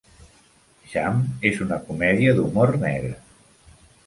"Jam" és una comèdia d'humor negre.